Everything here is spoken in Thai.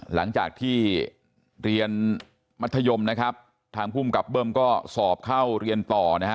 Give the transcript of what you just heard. หลังจากที่เรียนมัธยมนะครับทางภูมิกับเบิ้มก็สอบเข้าเรียนต่อนะฮะ